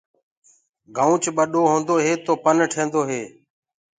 گنوُچ ٻڏو هوندو هي تو پن ٺيندو هي۔